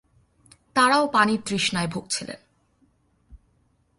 তারাও পানির তৃষ্ণায় ভুগছিলেন।